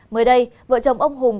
mới đây vợ chồng ông hùng